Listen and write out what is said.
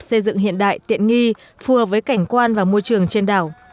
xây dựng hiện đại tiện nghi phù hợp với cảnh quan và môi trường trên đảo